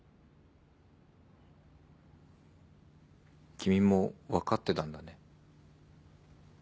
君も分かってたんだね。